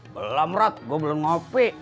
belom rat gue belum ngopi